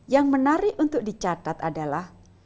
yang menarik untuk dicatat adalah